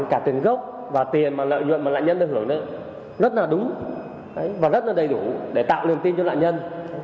cả tiền gốc và tiền lợi nhuận mà nạn nhân được lợi nhuận rất là đúng và rất là đầy đủ để tạo liền tin cho nạn nhân